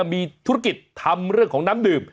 มีธุรกิจทำเรื่องของน้ำดื่ม